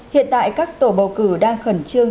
hiện tại các tổ bầu cử đang khẩn trương